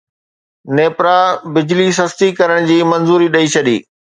نيپرا بجلي سستي ڪرڻ جي منظوري ڏئي ڇڏي